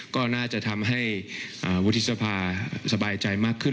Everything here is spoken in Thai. ก็น่าจะทำให้วุฒิสภาสบายใจมากขึ้น